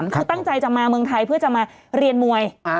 คือตั้งใจจะมาเมืองไทยเพื่อจะมาเรียนมวย